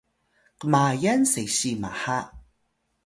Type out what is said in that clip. kmayal sesiy maha